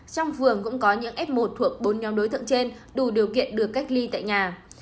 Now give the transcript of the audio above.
trong phường cũng có những f một thuộc bốn nhóm đối tượng trên đủ điều kiện được cách ly tại nhà